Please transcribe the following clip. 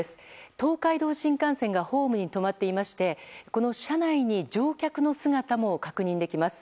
東海道新幹線がホームに止まっていましてこの車内に乗客の姿も確認できます。